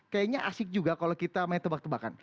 kayaknya asik juga kalau kita main tebak tebakan